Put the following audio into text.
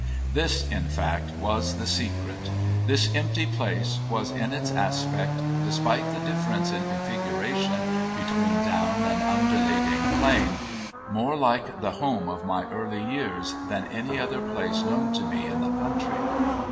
This in fact was the secret! This empty place was, in its aspect, despite the difference in configuration between down and undulating plain, more like the home of my early years than any other place known to me in the country.